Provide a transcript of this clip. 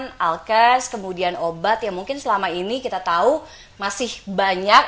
industri alat alat kesehatan alkes kemudian obat yang mungkin selama ini kita tahu masih banyak